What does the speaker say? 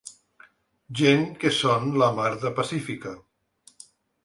Gent que són la mar de pacífica.